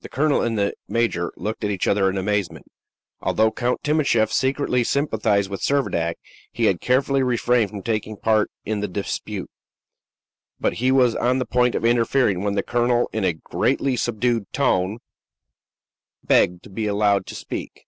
The colonel and the major looked at each other in amazement. Although Count Timascheff secretly sympathized with Servadac, he had carefully refrained from taking part in the dispute; but he was on the point of interfering, when the colonel, in a greatly subdued tone, begged to be allowed to speak.